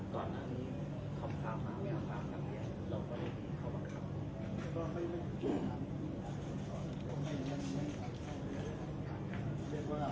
ถ้าคุณมากับสิทธิ์สุรรัสตร์ที่มีจุดการสร้างเนี่ย